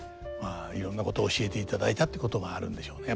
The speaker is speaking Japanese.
いろんなこと教えていただいたってことがあるんでしょうね。